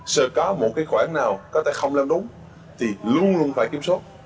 sợ có một cái khoản nào có thể không lâu đúng thì luôn luôn phải kiểm soát